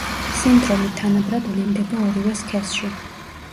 სინდრომი თანაბრად ვლინდება ორივე სქესში.